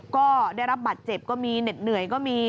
ก็ได้รับบาดเจ็บก็มีเหนือยก็มี